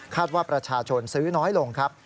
ว่าประชาชนซื้อน้อยลงครับ